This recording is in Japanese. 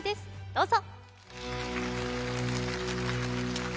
どうぞ。